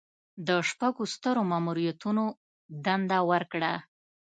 د شپږو سترو ماموریتونو دنده ورکړه.